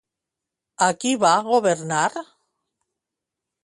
A qui va governar?